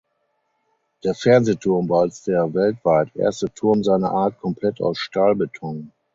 Der Fernsehturm war als der weltweit erste Turm seiner Art komplett aus Stahlbeton.